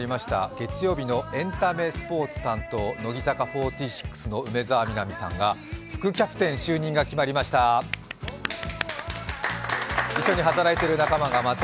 月曜日のエンタメスポーツ担当、乃木坂４６の梅澤美波さんが副キャプテン就任が決まりました。